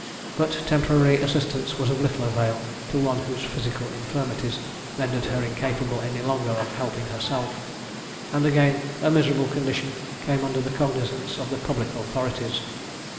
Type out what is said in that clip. But temporary assistance was of little avail to one whose physical infirmities rendered her incapable any longer of helping herself, and again her miserable condition came under the cognizance of the public authorities.